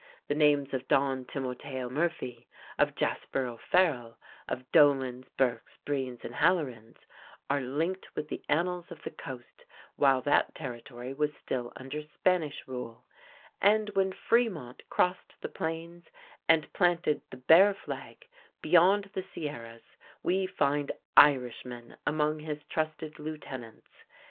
The names of Don Timoteo Murphy, of Jasper O'Farrell, of Dolans, Burkes, Breens, and Hallorins are linked with the annals of the coast while that territory was still under Spanish rule, and when Fremont crossed the plains and planted the "Bear flag" beyond the Sierras, we find Irishmen among his trusted lieutenants.